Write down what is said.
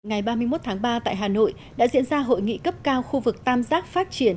ngày ba mươi một tháng ba tại hà nội đã diễn ra hội nghị cấp cao khu vực tam giác phát triển